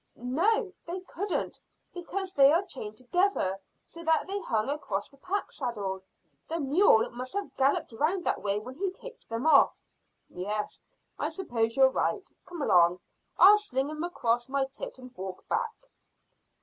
"No; they couldn't, because they are chained together so that they hung across the pack saddle. The mule must have galloped round that way when he kicked them off." "Yes, I suppose you're right. Come along; I'll sling 'em across my tit and walk back."